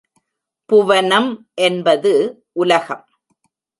புவனம் என்பது உலகம்.